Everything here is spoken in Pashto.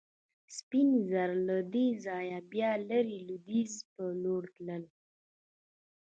سپین زر له دې ځایه بیا لرې لوېدیځ په لور تلل.